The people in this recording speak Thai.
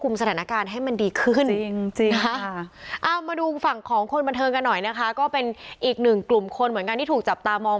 เอามาดูฝั่งของคนบันเทิงกันหน่อยนะคะก็เป็นอีกหนึ่งกลุ่มคนเหมือนกันที่ถูกจับตามอง